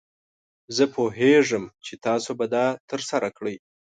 زه پوهیږم چې تاسو به دا ترسره کړئ.